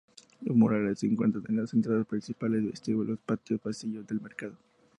Los murales se encuentran en las entradas principales, vestíbulos, patios y pasillos del mercado.